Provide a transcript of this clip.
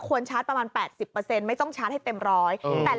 ควรชาร์จประมาณแปดสิบเปอร์เซ็นต์ไม่ต้องชาร์จให้เต็มร้อยอืม